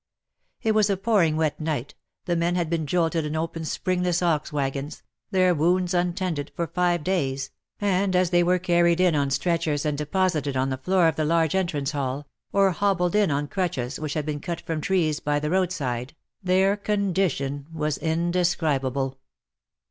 It was a pouring wet night, the men had been jolted in open springless ox waggons, their wounds untended, for five days, and as they were carried in on stretchers and deposited on the floor of the large entrance hall, or hobbled in on crutches which had been cut from trees by the roadside, their condition was indescrib 4 50 WAR AND WOMEN able.